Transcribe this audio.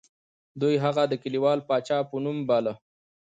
دوی هغه د کلیوال پاچا په نوم باله.